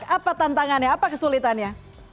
apa tantangannya apa kesulitannya